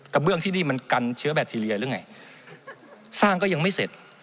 เบื้องที่นี่มันกันเชื้อแบคทีเรียหรือไงสร้างก็ยังไม่เสร็จ